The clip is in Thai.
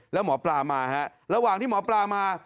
แล้วหมอปลามาฮะระหว่างที่หมอปลามา